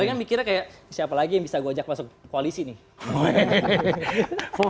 pengen mikirnya kayak siapa lagi yang bisa gue ajak masuk koalisi nih